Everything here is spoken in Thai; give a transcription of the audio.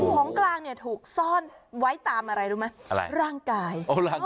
ของกลางเนี่ยถูกซ่อนไว้ตามอะไรรู้ไหมอะไรร่างกาย